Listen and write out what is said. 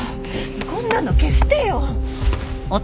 こんなの消してよ！